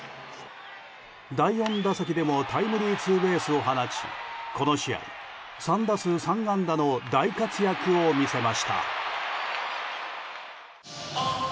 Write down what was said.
第４打席でもタイムリーツーベースを放ちこの試合、３打数３安打の大活躍を見せました。